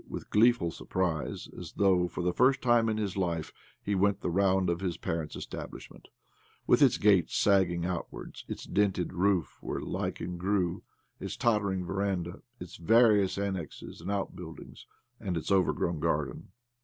With gleeful surprise (as though for the first time in his life) he went the round of his parents' establishment, with its gates sagging outwards, its dinted roof where lichen grew, its tottering veranda, its various annexes and outbuildings, and its overgrown garden.